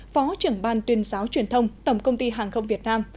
phó trưởng ban tuyên giáo truyền thông tổng công ty hàng không việt nam